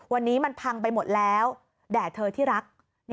วันนี้มันพังไปหมดแล้วแด่เธอที่รัก